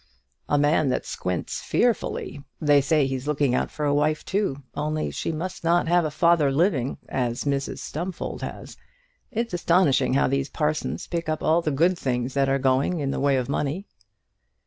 "A man that squints fearfully. They say he's looking out for a wife too, only she must not have a father living, as Mrs Stumfold has. It's astonishing how these parsons pick up all the good things that are going in the way of money."